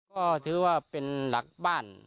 ก็ถือว่าเป็นหลักบ้าน